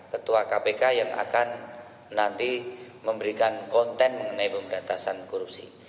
ketua kpk yang akan nanti memberikan konten mengenai pemberantasan korupsi